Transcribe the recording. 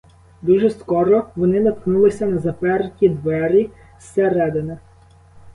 Дуже скоро вони наткнулися на заперті двері зсередини.